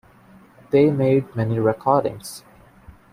They made many recordings.